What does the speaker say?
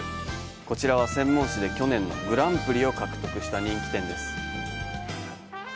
こちらは、専門誌で去年のグランプリを獲得した人気店です。